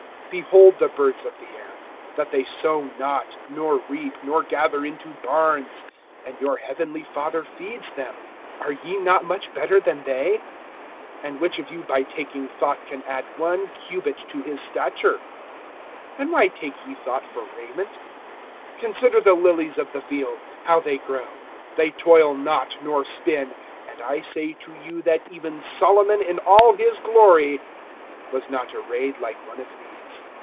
(26)Behold the birds of the air, that they sow not, nor reap, nor gather into barns; and your heavenly Father feeds them. Are ye not much better than they? (27)And which of you by taking thought can add one cubit to his stature[6:27]? (28)And why take ye thought for raiment? Consider the lilies of the field, how they grow. They toil not, nor spin; (29)and I say to you, that even Solomon in all his glory was not arrayed like one of these.